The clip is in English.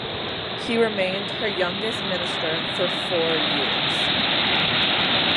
He remained her youngest minister for four years.